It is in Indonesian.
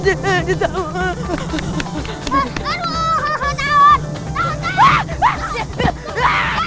aduh tawar tawar